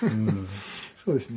そうですね。